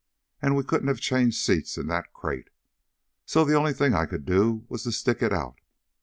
And we couldn't have changed seats in that crate. So the only thing I could do was to stick it out.